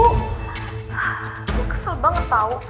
hah gue kesel banget tau